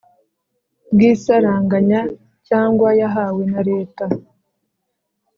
bw isaranganya cyangwa yahawe na Leta